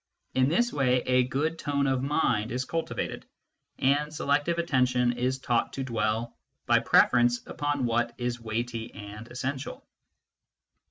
In this way a good tone of mind is cultivated, and selective attention is taught to dwell by preference upon what is weighty and essential.